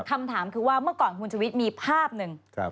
คำถามคือว่าเมื่อก่อนคุณชวิตมีภาพหนึ่ง